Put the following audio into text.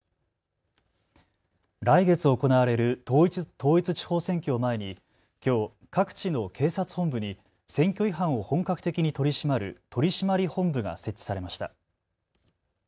来月行われる統一地方選挙を前にきょう各地の警察本部に選挙違反を本格的に取り締まる取締本部が設置されました。